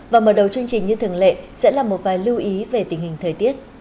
và mở đầu chương trình như thường lệ sẽ là một vài lưu ý về tình hình thời tiết